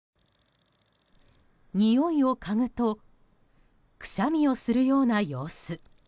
においをかぐとくしゃみをするような様子。